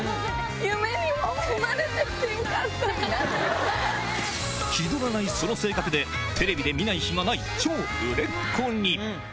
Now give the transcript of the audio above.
夢にも、気取らないその性格で、テレビで見ない日はない、超売れっ子に。